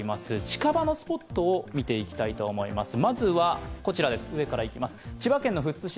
近場のスポットを見ていきたいと思います。